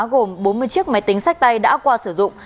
gồm bốn mươi chiếc máy tính sách tay đã qua sử dụng